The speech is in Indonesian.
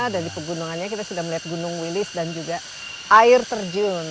dan di pegunungannya kita sudah melihat gunung wilis dan juga air terjun